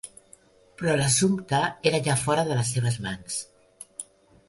Però l'assumpte era ja fora de les seves mans.